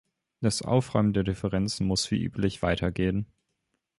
Das Ausräumen der Differenzen muss wie üblich weitergehen.